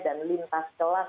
dan lintas kelas